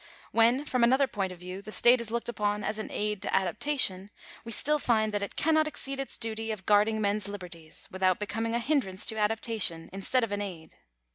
When, from another point of view, the state is looked upon as an aid to adaptation, we still find that it cannot exceed its duty of guarding men's liberties, without becoming a hindrance to adaptation, instead of an aid.